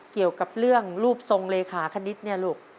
เกี่ยวกับเรื่องรูปทรงเลขาคณิตเนี่ยลูก